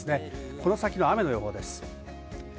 この先の雨の予報です。